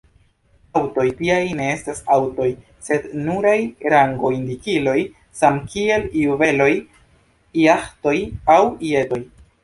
Aŭtoj tiaj ne estas aŭtoj sed nuraj rango-indikiloj, samkiel juveloj, jaĥtoj aŭ jetoj.